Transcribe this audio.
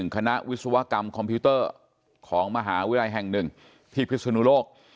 คณะวิศวกรรมคอมพิวเตอร์ของมหาวิทยาลัยแห่งหนึ่งที่พิศนุโลก